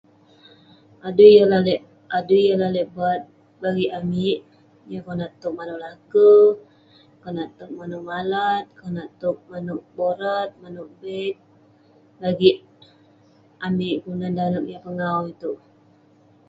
Adui yah lalek..adui yah lalek bat bagik amik, yah konak towk manouk lake, konak towk manouk malat, konak towk manouk borat, manouk veik ..bagik amik kelunan dalem yah pengawu itouk..